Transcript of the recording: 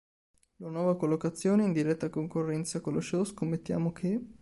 La nuova collocazione, in diretta concorrenza con lo show "Scommettiamo che...?